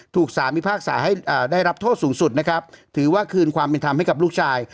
ถูกสารพิพากษาให้ได้รับโทษสูงสุดนะครับถือว่าคืนความเป็นธรรมให้กับลูกชาย